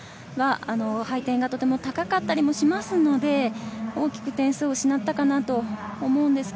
配点がとても高かったりしますので大きく点数を失ったかなと思うのですが。